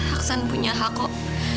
aksan punya hak kok